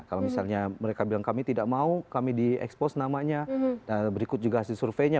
kalau misalnya mereka bilang kami tidak mau kami di expose namanya dan berikut juga hasil surveinya